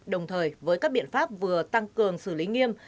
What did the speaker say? đồng thời với các biện pháp vừa tăng cường xử lý nghiêm